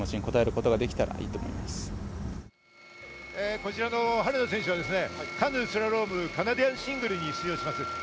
こちらの羽根田選手はカヌー・スラローム、カナディアンシングルに出場します。